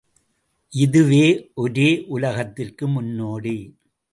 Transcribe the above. இதுவே ஒரே யுலகத்திற்கு முன்னோடி.